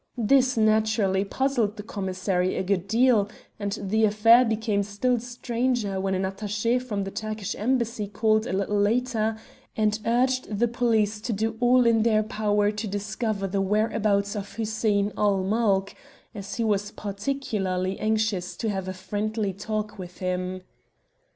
This naturally puzzled the commissary a good deal, and the affair became still stranger when an attaché from the Turkish Embassy called a little later and urged the police to do all in their power to discover the whereabouts of Hussein ul Mulk, as he was particularly anxious to have a friendly talk with him.